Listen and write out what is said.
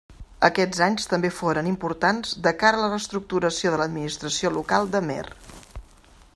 Aquests anys també foren importants de cara a la reestructuració de l'administració local d'Amer.